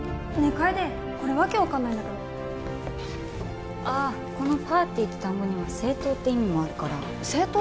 楓これ訳分かんないんだけどああこの「ｐａｒｔｙ」って単語には政党って意味もあるから政党？